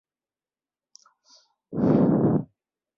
تایخ کا ہر واقعہ ایک سے زیادہ تعبیرات رکھتا ہے۔